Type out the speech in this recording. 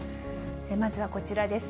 まずはこちらです。